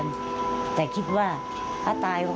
สวัสดีค่ะสวัสดีค่ะ